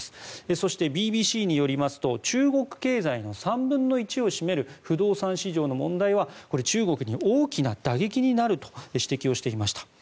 そして、ＢＢＣによりますと中国経済の３分の１を占める不動産市場の問題は中国に大きな打撃になると指摘をしていました。